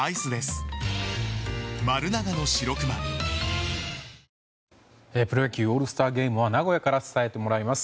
はぁプロ野球オールスターゲームは名古屋から伝えてもらいます。